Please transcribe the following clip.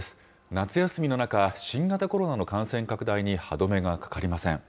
夏休みの中、新型コロナの感染拡大に歯止めがかかりません。